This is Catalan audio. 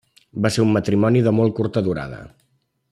Va ser un matrimoni de molt curta durada.